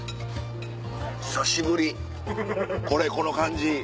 久しぶりこれこの感じ。